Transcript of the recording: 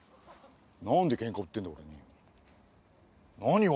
何でケンカ売ってんだ僕に。